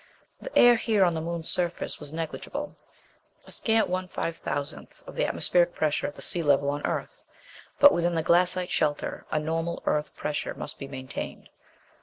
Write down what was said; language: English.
The air here on the Moon surface was negligible a scant one five thousandth of the atmospheric pressure at the sea level on Earth. But within the glassite shelter, a normal Earth pressure must be maintained.